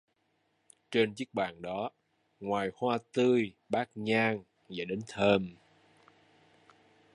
Trên chiếc bàn đó ngoài hoa tươi bát nhang và đến thơm